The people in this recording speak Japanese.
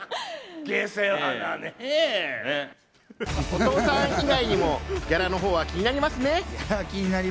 お父さん以外にもギャラのほ気になりますが。